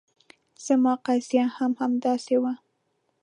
زما قضیه هم همداسې وه.